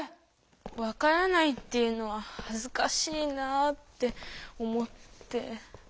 「分からない」って言うのははずかしいなぁって思って。